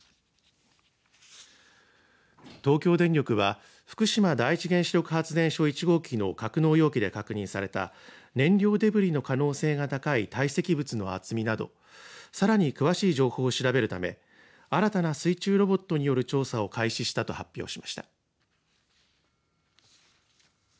東京電力は福島第一原子力発電所１号機の格納容器で確認された燃料デブリの可能性が高い堆積物の厚みなどさらに詳しい情報を調べるため新たな水中ロボットによる調査を開始したと発表しました。